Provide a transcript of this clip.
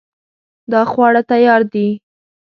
دا خواړه تیار دي